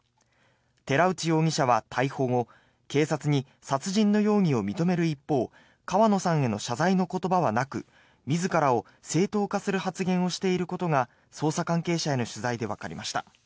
寺内容疑者は逮捕後警察に殺人の容疑を認める一方川野さんへの謝罪の言葉はなく自らを正当化する発言をしていることが捜査関係者への取材でわかりました。